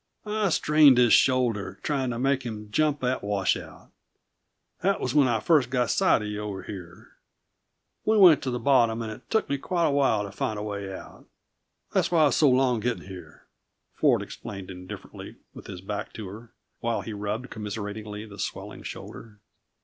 "I strained his shoulder, trying to make him jump that washout. That was when I first got sight of you over here. We went to the bottom and it took me quite a while to find a way out. That's why I was so long getting here." Ford explained indifferently, with his back to her, while he rubbed commiseratingly the swelling shoulder.